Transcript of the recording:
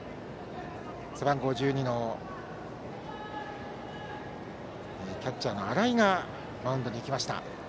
背番号１２のキャッチャー、荒井がマウンドに行きました。